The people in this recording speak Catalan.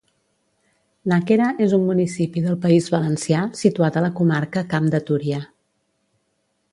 Nàquera és un municipi del País Valencià situat a la comarca Camp de Túria